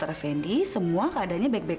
beri peng assemblida yang sangat baik